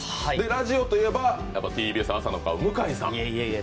ラジオといえば、ＴＢＳ朝の顔、向井さん。